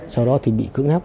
sau đó thì bị cưỡng áp